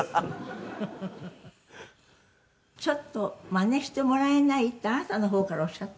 「“ちょっとマネしてもらえない？”ってあなたの方からおっしゃった」